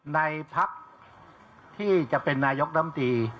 ในพักที่จะเป็นนายกรัมตี